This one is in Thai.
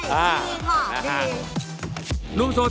พี่หลุยกับพี่พศใช่ไหมครับเขาดูเป็นผู้ใหญ่